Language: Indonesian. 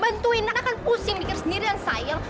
bantuin anak kan pusing mikir sendiri dan sayang